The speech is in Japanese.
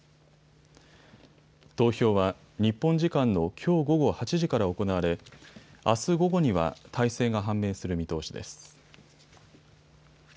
投票は日本時間のきょう午後８時から行われあす午後には大勢が判明する見通しです。